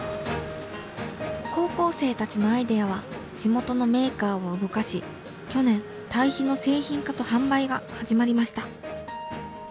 高校生たちのアイデアは地元のメーカーを動かし去年堆肥の製品化と販売が始まりました。